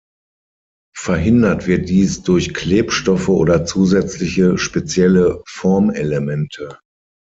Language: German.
Verhindert wird dies durch Klebstoffe oder zusätzliche spezielle Formelemente.